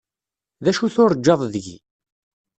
D acu turǧaḍ deg-i?